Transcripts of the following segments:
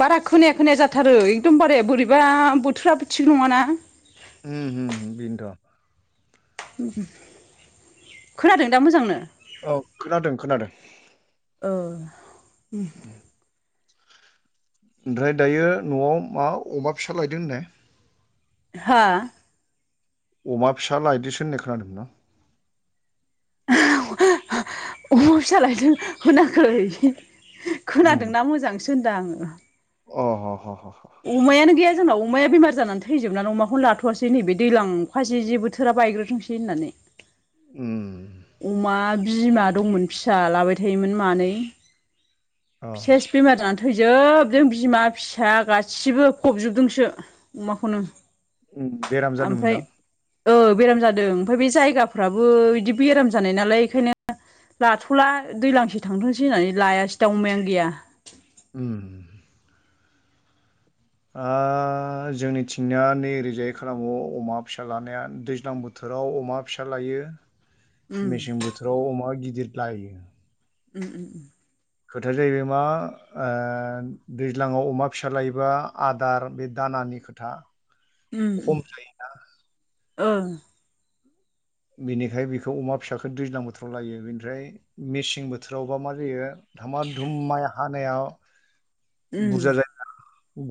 बारा खोनाया खोनाया जाथारो एकदम बाराया बोरैबा बोथोराबो थिग नङाना। उम उम बेनोथ' खोनादों दा मोजांनो? औ खोनादों खोनादों ओ उम्म। ओमफ्राय दायो न'आव मा अमा फिसा लायदों होननाय। हो? अमा फिसा लाइदिसो होननाय खोनादोंमोन आं। अमा फिसा लायदों होनाखै। उम खोनादोंना मोजांसो होनदां आंङो। अ ह ह ह। गैया जोंनाव अमाया बेमार जानानै थैजोबनानै अमाखौनो लाथ'वासै नैबे दैजां अखा जे जे बोथोरा बायग्रोथोंसै होननानै। उम्म। अमा बिमा दंमोन फिसा लाबाय थायोमोन मानै। अ सेस बेमार जानानै थै थैजोबदों बिमा फिसा गासिबो फबजोबदोंसो अमाखौनो। बेराम ओमफ्राय जादोंमोनदां? औ बेराम जादों ओमफ्राय बे जायगाफ्राबो बिदि बेराम जानाय नालाय एखायनो लाथ'ला दैज्लांसे थांथोंसै होननानै लायासै दा अमायानो गैया। उम्म। ओ जोंनिथिंनिया नै ओैरैजाय खालामो अमा फिसा लानाया दैज्लां बोथोर राव अमा फिसा लायो उम मेसें बोथोराव अमा गिदिर लायो। उम्म उम्म उम्म। खोथाया जाहैबाय मा ओ दैज्लाङाव अमा फिसा लायोबा आदार बे दानानि खोथा खम जायोना। ओं। बेनिखाय बेखौ अमा फिसाखौ दैज्लां बोथोराव लायो बेनिफ्राय मेसें बोथोरावबा मा जायो धामा धुम माय हानायाव उम बुरजा जाया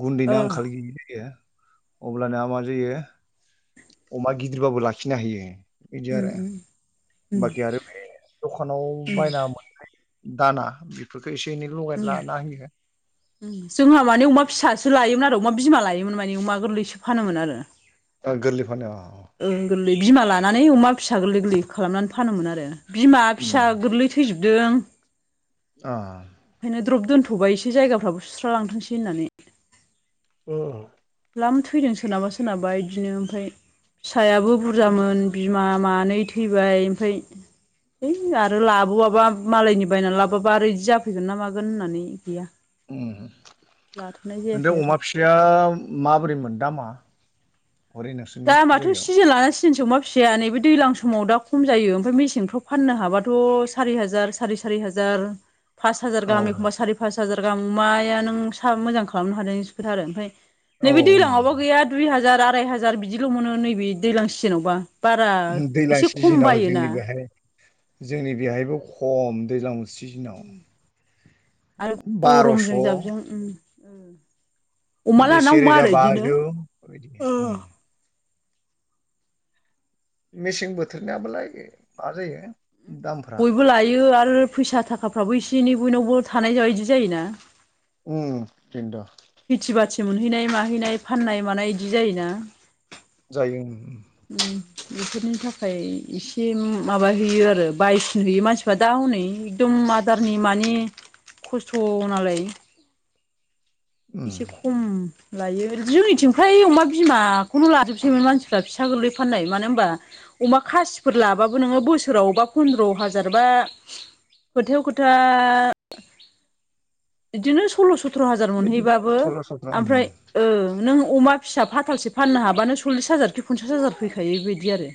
गुन्दैनि ओ आंखाल गैयै जायो। अब्लाना मा जायो अमा गिदिरबाबो लाखिनो हायो। बिदि आरो उम्म उम्म। बाखि आरो बे दखानाव बायना मोननाय दाना बेफोरखौ एसे एनै लगाय उम लाना होयो। जोंहा माने अमा फिसासो लायोमोन आरो अमा बिमा लायोमोन माने अमा गोरलैसो फानोमोन आरो। ओ गोरलै फानो अ। ओं गोरलै बिमा लानानै अमा फिसा गोरलै गोरलै खालामनानै फानोमोन आरो। बिमा उम फिसा गोरलै थैजोबदों। अ। द्रप दोनथ'बाय एसे जायगाफ्राबो सुस्र लांथोंसै होननानै। ओ। लाम थैदों सोरनाबा सोरनाबा बिदिनो ओमफाय फिसायाबो बुरजामोन बिमा मानै थैबाय ओमफाय हैइ आरो लाबोआबा मालायनि बायनानै लाबोाबा आरो बिदि जाफैगोन ना मागोन होननानै गैया। ओम लाथ'नाय नोंथां जायाखै आरो अमा फिसाया माब्रै मोन दामा? हरै नोंसोरनि दामाथ' जायगायाव सिजोन लाना सि [unintelligible] अमा फिसाया नै बे दैलां समाव दा खम जायो ओमफ्राय मेसेंफ्राव फाननो हाबाथ' सारि हाजार सारि सारि हाजार। फास हाजार औ गाहाम एखमबा सारि पास हाजार गाहाम अमाया नों सा मोजां खालामनो हानाय जोंसो खोथा आरो ओमफाय नैबे औ उम दैज्लाङआवबा गैया दुइ हाजार आराय हाजार बिदिल' मोनो नैबे दैज्लां सिजोनावबा। बारा दैज्लां एसे खम सिजोनाव बायोना जोंनि बेहाय जोंनि बेहायबो खम दैज्लां सिजोनाव आरो बार'स' गरमजों जाबजों बिदि ओम ओम। अमा लाना अमा सेरोजा आरो बिदिनो। बाजौ बेबायदि ओ उम मेसें बोथोरनिबालाय मा जायो दामफ्रा बयबो लायो आरो फैसा थाखाफ्राबो एसे एनै बयनावबो थानाय बायदि जायोना। उम थिक द ' खेथि बाथि मोनहैनाय माहैनाय फाननाय मानाय बिदि जायोना। जायो ओं। ओम बेफोरनि थाखाय एसे माबा हैयो आरो बायसिन हैयो मानसिफ्रा दा हनै एकदम आदारनि मानि खस्थ' नालाय। उम एसे खम लायो जोंनिथिं फ्राय अमा बिमाखौनो लाजोबसैन मानसिफ्रा फिसा गोरलै फाननाय मानो होनबा अमा खासिफोर लाबाबो नोङो बोसोरावबबा पन्द्र हाजार बा खोथायाव खोथा बिदिनो सल्ल' स' थ्र' हाजार बिदिनो मोनहैबाबो सल्ल' सथ्र' उम ओमफ्राय ओ नों अमा फिसा फाथालसे फाननो हाबानो सल्लिस हाजारखि पनसास हाजार फैखायो बेबायदि आरो।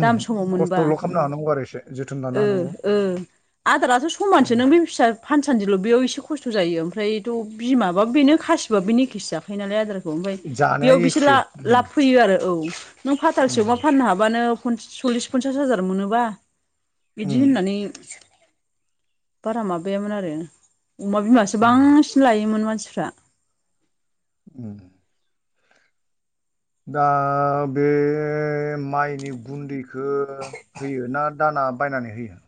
दाम समाव मोनबा खस्थ'ल' खालामनो ओम हानांगौ आरो एसे जोथोन लानो ओ ओ। आदाराथ' समानसो हानांगौ नों बे फिसा फानसान्दिल' बेयाव एसे खस्थ' जायो ओमफ्रायथ' बिमाबाबो बेनो खासिबाबो बिनो एकेसो जाखायो नालाय आदार ओमफाय बेयाव जानाया बिस ला एखे उम लाब फैयो आरो औ नों फाथालसे अमा उम फाननो हाबानो पनस सल्लिस पनसास हाजार मोनोबा उम बिदि होननानै बारा माबायामोन आरो अमा बिमासो उम बांसि न लायोमोन मानसिफ्रा। उम दा बे माइनि गुन्दैखो होयो ना दाना बायनानै होयो?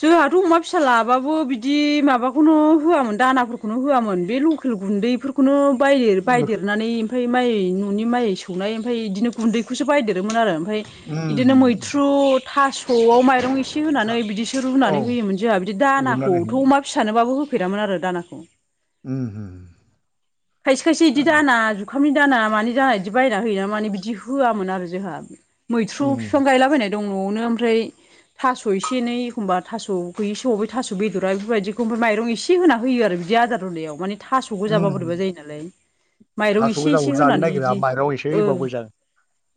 जोंहाथ' अमा फिसा लाबाबो बिदि माबाखौनो होआमोन दानाफोरखौनो होआमोन बे लकेल गुन्दैफोरखौनो बयो लके बायदेरनानै ओमफाय माइ न'नि माइ सौनाय ओमफाय बिदिनो गुन्दैखौसो बायदेरोमोन आरो। फाय बिदिनो उम मैथ्रु थास'आव माइरं इसे होनानै बिदि औ रुनानै होयोमोन जोंहा बिदि रुनानै हो दानाखौथ' अमा फिसानोबो होफेरामोन आरो दानाखौ। ओम होम। खायसे खायसे बिदि दाना जु खामनि दाना मानि जाना बिदि बायना होयामोन माने बिदि होआमोन आरो जोहा। मैथ्रु बिफां उम गायलाबायनाय दं न'आवनो ओमफ्राय थास' एसे एनै एखम्बा थास' गैयै समाव थास' बेदरा बेफोरबायदिखौ फ्राय माइरं एसे होना होयो आरो। इदि आदार रुनायाव माने थास' गोजाबा उम बोरैबा जायो। नालाय माइरं थास' इसे गोजाखौ इसे जानो होनानै नागिरा इदि माइरं एसे ओ होबाबो जागोन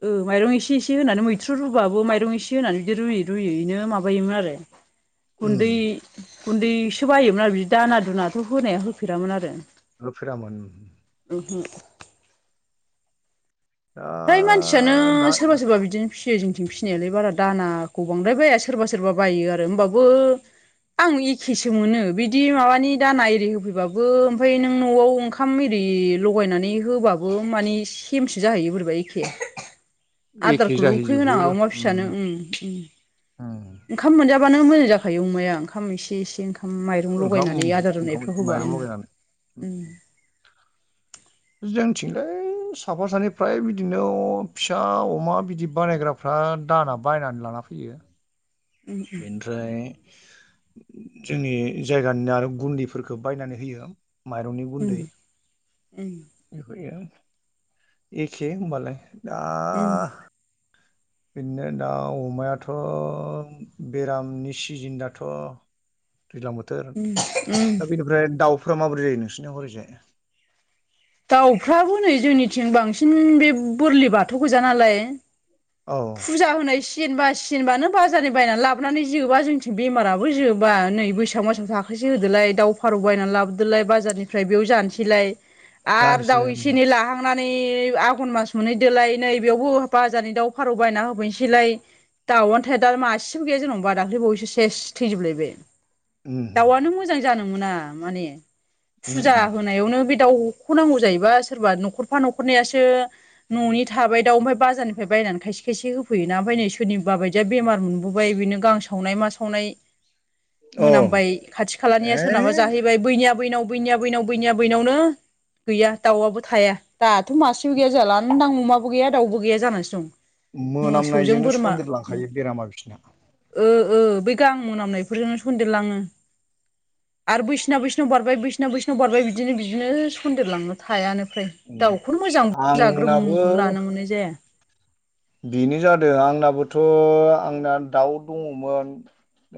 ओ माइरं एसे एसे होनानै मैथ्रु रुबाबो माइरं एसे होनानै दि रुयै रुयैनो माबायोमोन आरो। उम गुन्दै गुन्दैसो बायोमोन आरो बिदि दाना दुनाथ' होनाया होफेरामोन आरो। होफेरामोन? ओहो। दा फ्राय मानसियानो दा सोरबा सोरबा बिदिनो फिसियो जोंथिं फिसिनायालाय बारा दानाखौ बांद्राय बाया सोरबा सोरबा बायो आरो होमबाबो आं एखेसो मोनो बिदि माबानि दाना एरि होफैबाबो ओमफ्राय नों न'आव ओंखाम इरि ए लगायनानै होबाबो मानि सेमसो जाहैयो बोरैबा एखे। एखे आदारखौल' उखै जाहैजोबो होनाङा अमा फिसानो उम उम उम ओंखाम मोनजा बानो मोजां जाखायो अमाया ओंखाम इसे एसे ओंखाम। ओम माइरं ओंखाम लगायनानै आदार ओंखाम रुनायफ्राव होबा माइरं ओं लगायनानै ओं उम जोंथिंलै साफा सानै फ्राय बिदिनो फिसा अमा बिदि बानायग्राफ्रा दाना बायनानै लाङ ला फैयो। उम बेनिफ्राय जोंनि जायगानि आरो गुन्दैफोरखौ बायनानै होयो। माइरंनि उम गुन्दै, उम बेखौहोयो। एखेहोमबालाय दा उम बिदिनो दाउ अमायाथ' बेरामनि सिजोन दाथ' दैज्लां बोथोर उम उम उम दा बेनिफ्राय दाउ फ्रा माबोरै जायो नोंसिनिया हरैजाय? दाउफ्राबो नै जोंनिथिं बांसिन बे बोरलि बाथौ गोजा नालाय औ फुजा होनाय सग जेनबासिनबानो बाजारनि बायनानै लाबोनानै जोबा जोंनिथिं बेमाराबो जोबा नै बैसाग मोस आव थाखायोै। से होदोलाय दाव फारौ बायनानै लाबोदोलाय बाजारनिफ्राय बेयाव जानोसैलाय। आरो दाउ जानोसैलाय उम इसे एनै लाहां थांनानै आघन मास मोनहैदोलाय नै बेयावबो बाजारनि दाउ फारौ बायना होफैनोसैलाय। दाउआनो थाया दा मासेबो गैया जेनेबा दाखालिबावैसो सेस थैजोबलाय। दाउआनो उम मोजां जानो मोना माने उम फुजा होनायावनो बे दाउ नख' नांगौ जायोबा सोरबा न'खरफा न'खरनिासो न'नि थाबाय दाउ ओमफफ्राय बाजारनिफ्राय बायनानै खायसे खेसे होफैयोना ओमफ्राय नै सोरनिबाबायदिया बेमार मोनबोबाय बिनो गांसावनाय मा सावनाय औ मोनामबाय खाथि खालानिया सोरनाबा ए जाहैबाय बैनिया बैनाव बैनिया बैनाव बैनिया बैनावनो गैया दाउआबो थाया, दाथ' मासेबो गैया जालांदां अमाबो गैया दाउबो गैया जानानैसो दं। मोसौजों मोनामनायजोंनो बोरमा सन्देर लांखायो बेरामा बिसना। ओ ओ बै गाहां मोनामनायफोरजोंनो सदेरलांङो। आरो बैसिना बैसिनाव बारबाय, बैसिना बैसिनाव बारबाय बिदिनो बिदिनो सु सन्देरलांनो थायानो फ्राय, दाउखौनो मोजां आंनाबो जाग्रोमखौनो लानो मोननाय जाया। बेनो जादों आंनाबोथ' आंना दाउ दङमोन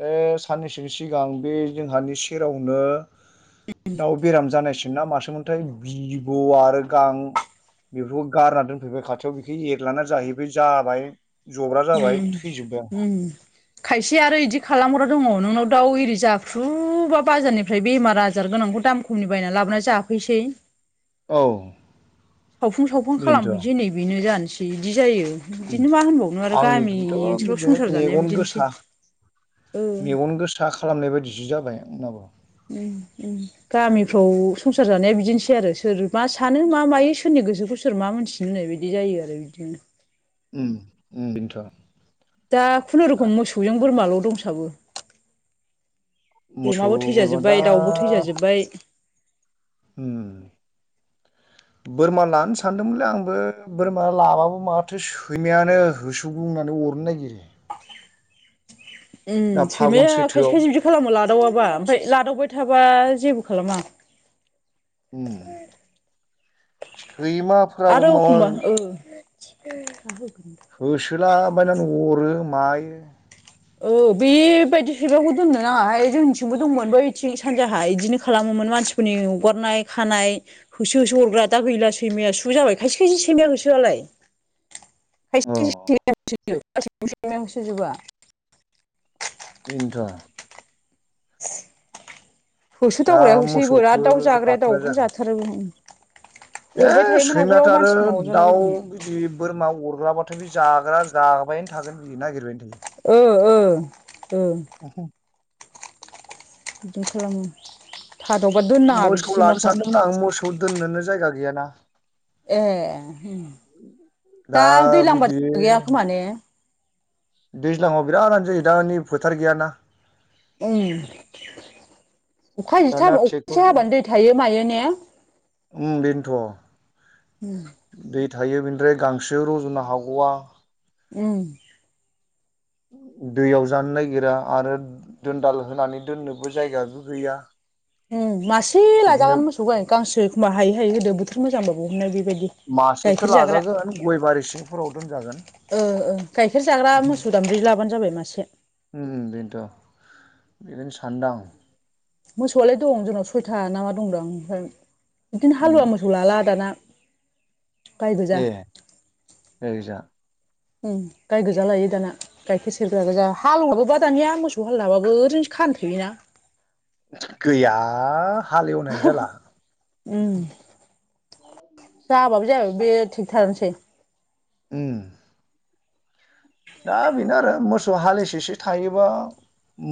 बे साननैसोनि सिगां बे जोंहानि सेरावनो दाउ बेराम जानायसोन ना मास मोनथाय बिब' आरो गां बेफोरखौ गारना दोनफैबाय खाथियाव बेखौ एरला जाहैबाय जाबाय जब्रा जाबाय उम थैजोबबाय आंहा उम खायसे आरो इदि खालामग्रा दङ नोंनाव दाउ एरि जाख्रुबा बाजारनिफ्राय बेमार आजार गोनां बेखौ दाम खमनि बायना लाबोनानै जाफैसै औ। सावफुन सावफुन बेनोथ' खालामहैनोसै नै बेनो जानोसै बिदि बिदि जायो बिदिनो मा होनबावनो आरो गामि आंनिखौथ' ओनसोलाव बिदिनो संसार जानाया मेगन बिदिनोसै। गोसा ओ मेगन गोसा खालामनाय बायदिसो जाबाय उमबा ओम ओम गामिफ्राव संसार जानाया बिदिनोसै आरो सोर मा सानो मा मायो सोरनि गोसोखौ सोर मा मोनथिनो होननाय बायदि जायो आरो बिदिनो ओम ओम बिनोथ' दा खुनुरुखुम मोसौजों बोरमाल' दंसाबो मोसौ अमाबो बोरमा दा थैजाजोबबाय दाउबो थैजाजोब्बाय उम [inaudible] बोरमा लानो सानदोंमोनलै आंबो बोरमा लाबाबो माथो सैमायानो होसोगलुंनानै अरनो नागिरो दा उम फागुन सैमाया खायसे सैथोआव खायसे बिदि खालामो लादावाबा ओमफाय लादावबाय थाबा जेबो खालामा। उम [inaudible] सैमाफ्राबो आरो माबा एखमबा ओ। [unintelligible] होसोलाबायनानै अरो मायो औ बेबायदि सैमाखौ दोननो नाङाहाय जोंनिथिंबो दंमोन बैथिं सानजाहा बिदिनो खालामो मोन मानसिफोरनि हगारनाय खानाय होसो होसो अरग्रा दा गैला सैमाया सु जाबाय खायसे खायसे सैमा होसोआलाय अ खायसे [unintelligible] होसोजोबा। [inaudible] [unintelligible] [inaudible] होसो दा दावग्राया होसोयोबो आरो मोसौखो दाउ जाग्राया लाथ'नाय दाउखौनो जाथारोबो जायाखै। अरबाय ए थायोमोन सैमाथ' आवगोलाव आरो मानसिफोरनाव दाउ अरजालाबायदोंमोन बिदि बोरमा अरग्राबाथ ओमफाय बि जाग्रा जाबायानो थागोन बियो नागिरबायानो थायो। ओ ओ ओ। बिदिनो खालामो। थादावबा दोननाङा बिदि मोसौ लानो सैमाखौ सानदोंमोन आं मोसौ दोननोनो जायगा गैयाना। ए दा दैलां बाथ' गैया खोमा ने? दैज्लाङाव बिराद आन जायो दा नै फोथार गैयाना। उम अखा [unintelligible] दाना एसे ट्रेक्टरजों हाबानो दै थायो मायो ने? [inaudible] उम बेनोथ'। उम दै थायो बिनिफ्राय गांसो रजनो हाग'आ। उम दैयाव जानो नागिरा आरो दोनदाल होनानै दोननोबो जायगायाबो गैया। उम मासे बिदिनो लाजागोन मोसौ गाय गांसो एखमबा हायै हायै होदो बोथोर मोजांबाबो [unintelligible] मासेखो लाजागोन गय बारि सिंफोराव दोनजागोन। ओ ओ गाइखेर जाग्रा मोसौ दामब्रि लाबानो जाबाय मासे। उम बेनोथ' बिदिनो सानदो आं। मोसौआलाय दं जोंनाव सयथा ना मा दंदां ओमफ्राय इदिनो उम हालुवा मोसौ लाला दाना। गाय गोजा ए ओरैजा। उम गाय गोजा लायो दाना गाइखेर सेरग्रा गोजा हालुवाबोबा दानिया मोसौ हाल हाबो ओरैनो फानथोयोना? गैया हालेवनायानो जाला। उम जाबाबो जायाबाबो बे थिकटारानोसै। उम दा बेनो आरो मोसौ हालिसेसो थायोबा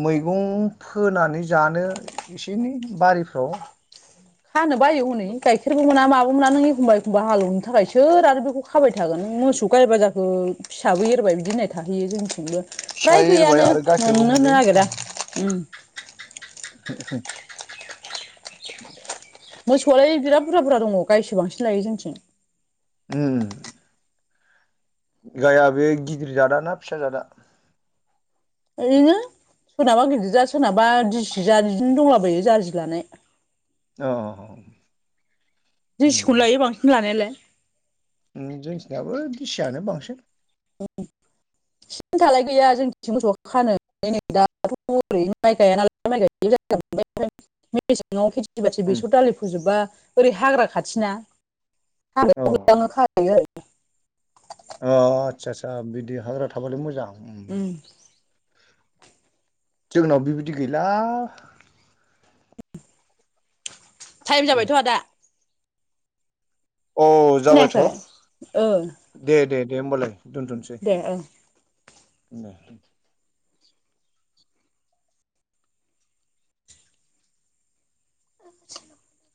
मैगं फोनानै जानो एसे एनै बारिफ्राव खानो बायो हनै गाइखेरबो मोना माब हमना नों एखमबा एखमबा हालवनो थाखाय सोर आरो बेखौ खाबाय थागोन मोसौ गायबा जाखो फिसाबो एरब बिदि होननाय थाहैयो जोंनिथिंबो फिसा फ्राय एरबाय गैयानो आरो गाइखेरबो मोननोनो मोनजायो नागिरा उम [unintelligible] मोसौआलाय बिराद बुरजा बुरजा दङ गायसो बांसिन लायो जोंथिं। उम गाइआ बे गिदिर जादाना फिसा जादा? ओरैनो सोरनाबा गिदिर जा सोरनाबा दिसिजानो दंलाबायो जार जि लानाय। अ दिसिखौ लायो उम बांसिन लानायालाय। जोंनिथिनाबो दिसियानो बांसिन। औ सिनथालाय गैया जोंं मोसौ खानो [unintelligible] दाथ' ओरैनो माइ गायानालाय माइ गाय [unintelligible] सोरबासो उम बेसर दालि फोजोबबा ओरै हाग्रा खाथिना औ हाग्रायावनो खायो। [unintelligible] अ आदसा आसा बिदि हाग्रा थाबालाय मोजां। उम जोंनाव बिबायदि गैला। टाइम जाबायथ' आदा औ जाबायथ' खोनायाखै ओ दे दे। दे होमबालाय दोनथ'नोसै दे ओ दे [inaudible]